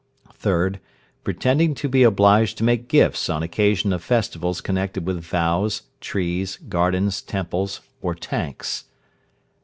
3rd. Pretending to be obliged to make gifts on occasion of festivals connected with vows, trees, gardens, temples, or tanks.